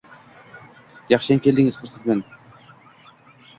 yaxshiyam keldingiz, xursandman.